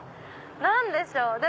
何でしょう？